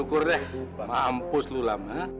kenapa tak ada darah